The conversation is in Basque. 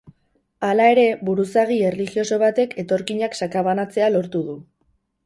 Hala ere, buruzagi erlijioso batek etorkinak sakabanatzea lortu du.